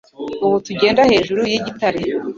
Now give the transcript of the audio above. Ubu tugenda hejuru yigitare